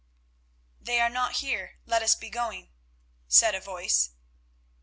"They are not here, let us be going," said a voice.